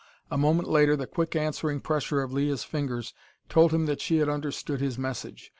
A moment later the quick answering pressure of Leah's fingers told him that she had understood his message.